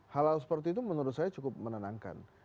hal hal seperti itu menurut saya cukup menenangkan